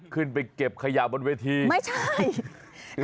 ขึ้นไปเก็บขยะบนเวทีไม่ใช่